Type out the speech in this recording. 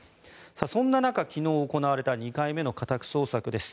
そんな中、昨日行われた２回目の家宅捜索です。